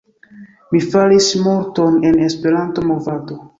Mi faris multon en la Esperanto-movado